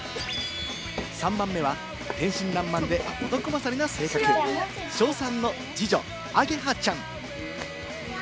３番目は天真爛漫で男勝りな性格、小３の二女・あげはちゃん。